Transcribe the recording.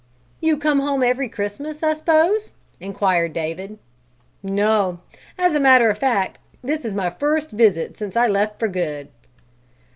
"You come home every Christmas, I s'pose?" inquired David. "No; as a matter of fact this is my first visit since I left for good."